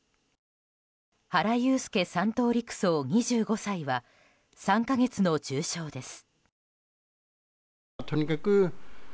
原悠介３等陸曹、２５歳は３か月の重傷です。